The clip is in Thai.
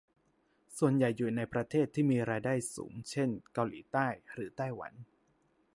ส่วนใหญ่อยู่ในประเทศที่มีรายได้สูงเช่น เกาหลีใต้ หรือ ไต้หวัน